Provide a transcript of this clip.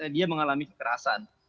dia mengalami kekerasan